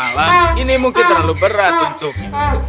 oh hewan malam ini mungkin terlalu berat untuk menjualnya